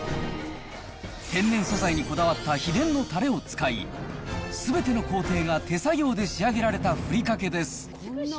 天然素材にこだわった秘伝のたれを使い、すべての工程が手作業で仕上げられたふりかけです。